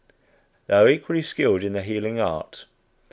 They are equally skilled in the healing art.